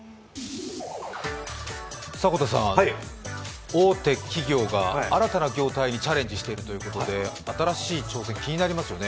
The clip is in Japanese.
迫田さん、大手企業が新たな業態にチャレンジしているということで新しい挑戦、気になりますよね。